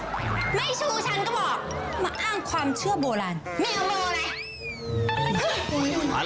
พ่อไม่ชู้ฉันก็บอกมาอ้างความเชื่อโบราณไม่เอาโบราณ